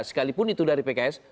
sekalipun itu dari pks